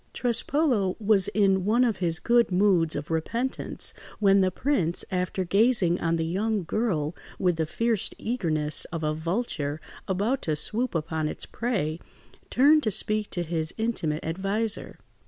Trespolo was in one of his good moods of repentance, when the prince, after gazing on the young girl with the fierce eagerness of a vulture about to swoop upon its prey, turned to speak to his intimate adviser.